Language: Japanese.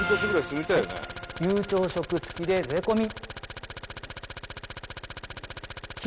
夕朝食付きで税込み。